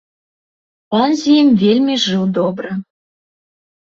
Пан з ім вельмі жыў добра.